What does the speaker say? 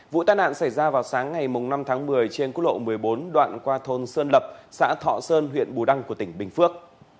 vụ tai nạn xảy ra vào sáng ngày năm tháng một mươi trên quốc lộ một mươi bốn đoạn qua thôn sơn lập xã thọ sơn huyện bù đăng của tỉnh bình phước